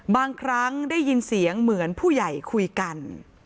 บางครั้งได้ยินเสียงเหมือนผู้ใหญ่คุยกัน